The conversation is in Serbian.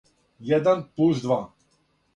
један плус два